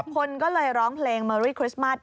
คนก็เลยร้องเพลงเมอรี่คริสต์มัส